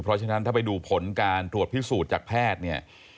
เพราะฉะนั้นถ้าไปดูผลการตรวจพิสูจน์จากแพทย์เนี่ย